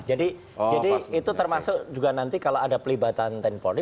jadi itu termasuk juga nanti kalau ada pelibatan tenpoly